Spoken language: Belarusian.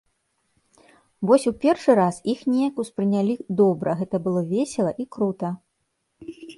Вось у першы раз іх неяк успрынялі добра, гэта было весела і крута!